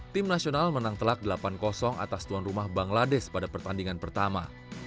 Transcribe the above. tim nasional menang telak delapan atas tuan rumah bangladesh pada pertandingan pertama